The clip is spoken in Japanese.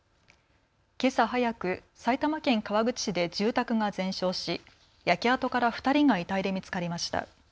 けさ早く埼玉県川口市で住宅が全焼し焼け跡から２人が遺体で見つかりました。